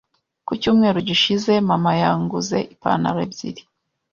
Ku cyumweru gishize, mama yanguze ipantaro ebyiri.